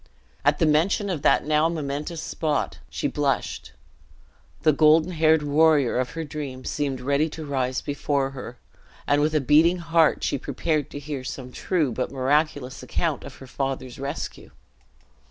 At the mention of that now momentous spot, she blushed; the golden haired warrior of her dream seemed ready to rise before her; and with a beating heart she prepared to hear some true but miraculous account of her father's rescue.